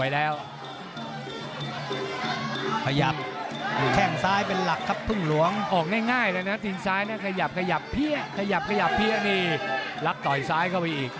แล้วตัวนี้วิชิฮร์ไช